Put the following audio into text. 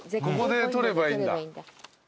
ここで撮ればいいんだ。